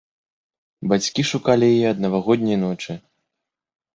Бацькі шукалі яе ад навагодняй ночы.